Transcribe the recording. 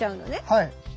はい。